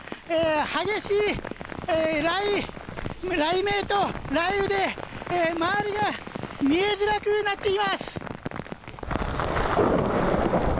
激しい雷鳴と雷雨で周りが見えづらくなっています。